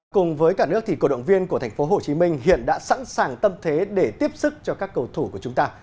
cùng với cả nước thì cổ động viên của thành phố hồ chí minh hiện đã sẵn sàng tâm thế để tiếp sức cho các cầu thủ của chúng ta